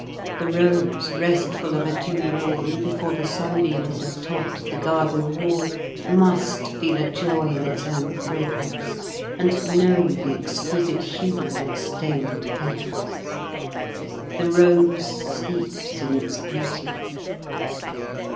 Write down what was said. The rose, restful of a dewy morn before the sunbeams have topped the garden wall, must feel a joy in its own fragrance, and know the exquisite hue of its stained petals. The rose sleeps in its beauty.